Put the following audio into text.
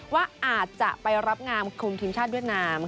ว่าอาจจะไปรับงามคุมทีมชาติเวียดนาม